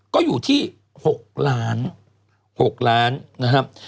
ก็อยู่ที่๖ล้าน๖ล้านนะครับ